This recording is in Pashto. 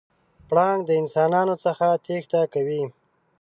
پړانګ د انسانانو څخه تېښته کوي.